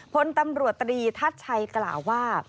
พลตำรวจตรีทัศน์ชัยกล่าวว่า